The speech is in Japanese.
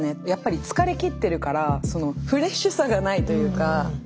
やっぱり疲れきってるからフレッシュさがないというか。